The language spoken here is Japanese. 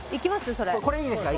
それこれいいですか？